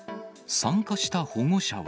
参加した保護者は。